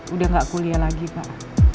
udah gak kuliah lagi pak